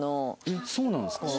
えっそうなんですか？